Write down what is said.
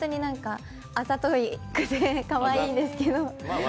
あざとくて、かわいいんですけど。